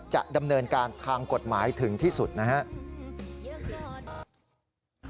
จะดำเนินการทางกฎหมายถึงที่สุดนะครับ